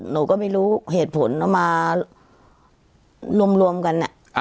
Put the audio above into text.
หนูก็ไม่รู้เหตุผลเอามารวมกัน